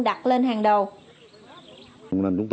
đặt lên hàng đầu